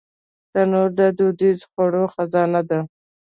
تنور د دودیزو خوړو خزانه ده